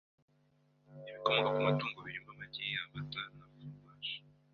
ibikomoka ku matungo birimo amagi, amata, na foromaje,